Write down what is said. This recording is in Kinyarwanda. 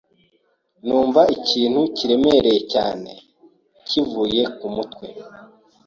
numva ikintu kiremereye cyane kimvuye ku mutwe